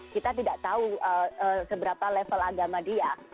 kita tidak tahu seberapa level agama dia